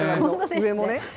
上もね。